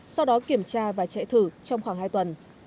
sau đó kiểm tra và chạy thử trong khoảng hai tuần